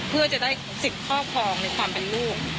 เพื่อจะได้สิทธิ์ครอบครองในความเป็นลูก